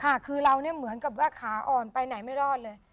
ค่ะคือเราเนี่ยเหมือนกับว่าขาอ่อนไปไหนไม่รอดเลย